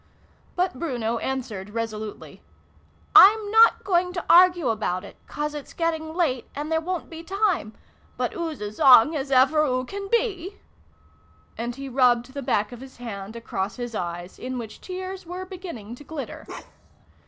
But Bruno answered resolutely. " I'm not going to argue about it, 'cause it's getting late, and there wo'n't be time but oo's as 'ong as ever oo can be !" And he rubbed the back of his hand across his eyes, in which tears were beginning to glitter.